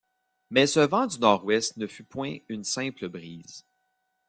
Mais ce vent du nord-ouest ne fut point une simple brise.